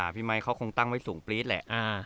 ไมค์เขาคงตั้งไว้สูงปรี๊ดแหละ